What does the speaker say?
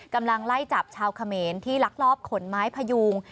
กำลังไล่จับชาวเขมรที่ลักลอบขนไม้พยูง